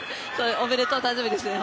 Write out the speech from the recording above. おめでとう、誕生日ですね